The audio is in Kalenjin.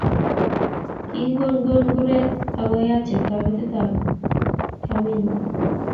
Kikigogony kurget agoyat chepkametitab kamenyu